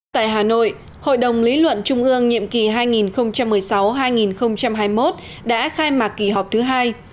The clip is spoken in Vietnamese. tại hà nội hội đồng lý luận trung ương nhiệm kỳ hai nghìn một mươi sáu hai nghìn hai mươi một đã khai mạc kỳ họp thứ hai